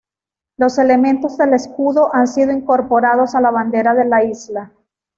Los elementos del escudo han sido incorporados a la bandera de la isla.